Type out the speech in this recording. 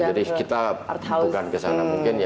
jadi kita bukan kesana mungkin ya